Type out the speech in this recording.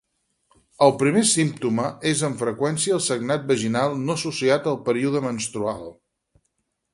El primer símptoma és amb freqüència el sagnat vaginal no associat al període menstrual.